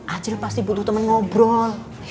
acil pasti butuh teman ngobrol